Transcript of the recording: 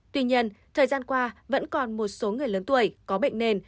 tuy nhiên thời gian qua vẫn còn một số người lớn tuổi có bệnh nền